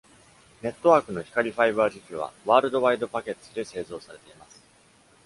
ネットワークの光ファイバ機器は、World Wide Packets で製造されています。